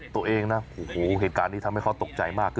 ตัวเองนะโอ้โหเหตุการณ์นี้ทำให้เขาตกใจมาก